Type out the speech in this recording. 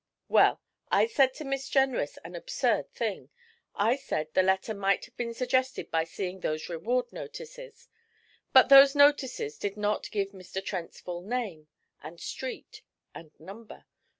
'Well, I said to Miss Jenrys an absurd thing. I said the letter might have been suggested by seeing those reward notices; but those notices did not give Mr. Trent's full name, and street, and number.